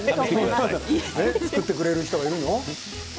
作ってくれる人がいるの？